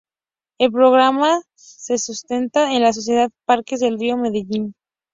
El programa se sustenta en la Sociedad Parques del Río Medellín.